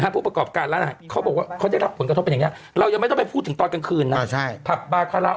ผู้ประกอบการร้านอาหาร